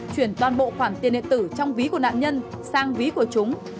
chuyển toàn bộ khoản tiền điện tử trong ví của nạn nhân sang ví của chúng